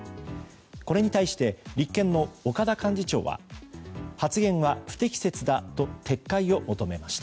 これに対して立憲の岡田幹事長は発言は不適切だと撤回を求めました。